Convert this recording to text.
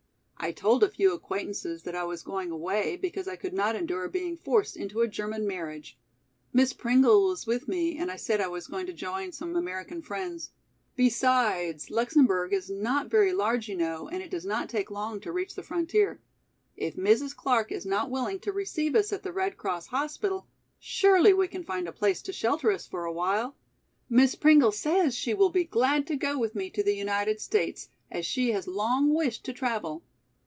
I told a few acquaintances that I was going away because I could not endure being forced into a German marriage. Miss Pringle was with me and I said I was going to join some American friends. Besides, Luxemburg is not very large you know and it does not take long to reach the frontier. If Mrs. Clark is not willing to receive us at the Red Cross Hospital, surely we can find a place to shelter us for awhile. Miss Pringle says she will be glad to go with me to the United States, as she has long wished to travel.